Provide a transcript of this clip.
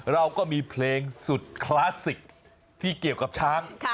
เราก็มีเพลงสุดคลาสสิกที่เกี่ยวกับช้าง